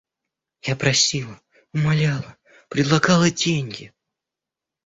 Я просила, умоляла, предлагала деньги.